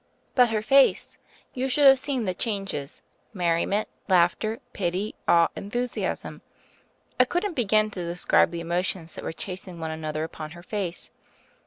But her face ! You should have seen the changes — merriment, laughter, pity, awe, enthusiasm. I couldn't be gin to describe the emotions that were chasing one another upon her face.